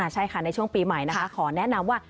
ใช่ค่ะในช่วงปีใหม่นะคะขอแนะนำว่า